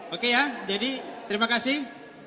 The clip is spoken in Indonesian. oke ya jadi terima kasih